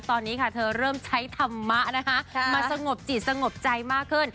ตอนนี้ค่ะเธอเริ่มใช้ธรรมะนะคะมาสงบจิตสงบใจมากขึ้น